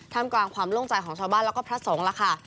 ทำกลางความลงใจของชาวบ้านและพระสงฆ์ล่ะค่ะ